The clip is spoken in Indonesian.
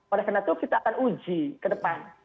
oleh karena itu kita akan uji ke depan